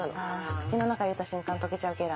口の中入れた瞬間溶けちゃう系だ。